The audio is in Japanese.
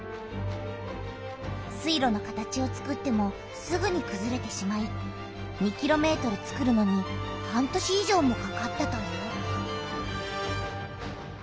水路の形をつくってもすぐにくずれてしまい２ｋｍつくるのに半年い上もかかったという。